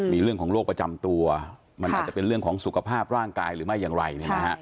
มีเรื่องของโรคประจำตัวมันอาจจะเป็นเรื่องของสุขภาพร่างกายหรือไม่อย่างไร